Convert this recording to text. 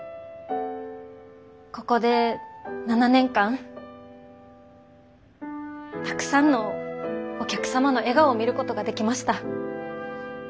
ここで７年間たくさんのお客様の笑顔を見ることができました。